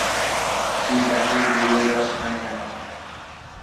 তুই তাকে ভুলে যাস না কেন?